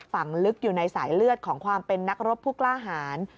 ฝั่งลึกอยู่ในสายเลือดของความเป็นนักรบผู้กล้าหาร